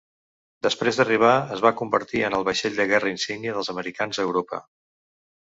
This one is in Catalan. Després d'arribar, es va convertir en el vaixell de guerra insígnia dels americans a Europa.